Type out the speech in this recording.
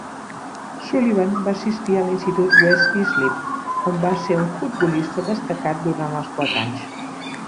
Sullivan va assistir a l'Institut West Islip, on va ser un futbolista destacat durant els quatre anys.